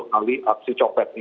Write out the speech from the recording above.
lima puluh kali aksi copet ini